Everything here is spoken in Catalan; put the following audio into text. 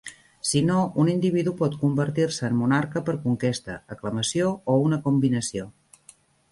Si no, un individu pot convertir-se en monarca per conquesta, aclamació o una combinació.